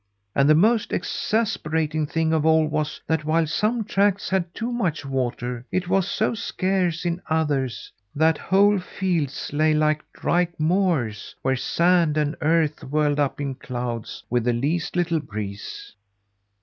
And the most exasperating thing of all was, that while some tracts had too much water, it was so scarce in others, that whole fields lay like dry moors, where sand and earth whirled up in clouds with the least little breeze.